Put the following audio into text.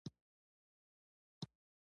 ځینې سترګې داسې دي چې ټوله دنیا پکې ښکاري.